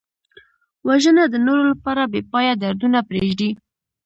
وژنه د نورو لپاره بېپایه دردونه پرېږدي